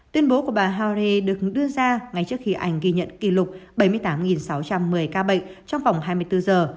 tuyên bố của bà hare được đưa ra ngay trước khi anh ghi nhận kỷ lục bảy mươi tám sáu trăm một mươi ca bệnh trong vòng hai mươi bốn giờ